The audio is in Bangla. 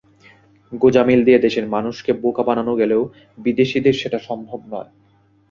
গোঁজামিল দিয়ে দেশের মানুষকে বোকা বানানো গেলেও বিদেশিদের সেটি সম্ভব নয়।